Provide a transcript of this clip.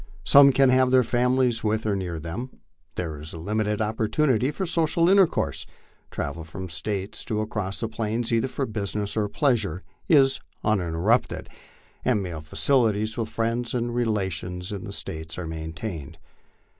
Some can have their families with or near them. There is a limited opportunity for social intercourse ; travel from the States, to and across the Plains, either for business or pleasure, is uninterrupted, and mail facilities with friends and relations in the States are maintained.